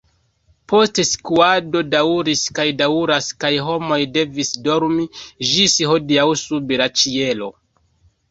Postskuado daŭris kaj daŭras kaj homoj devis dormi ĝis hodiaŭ sub la ĉielo.